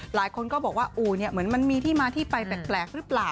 หลายคนก็บอกว่าอู่เหมือนมันมีที่มาที่ไปแปลกหรือเปล่า